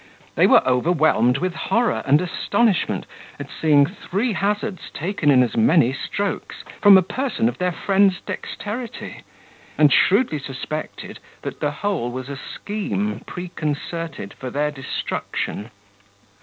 They were overwhelmed with horror and astonishment at seeing three hazards taken in as many strokes, from a person of their friend's dexterity; and shrewdly suspected, that the whole was a scheme preconcerted for their destruction.